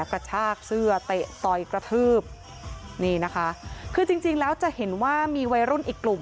กระชากเสื้อเตะต่อยกระทืบนี่นะคะคือจริงจริงแล้วจะเห็นว่ามีวัยรุ่นอีกกลุ่ม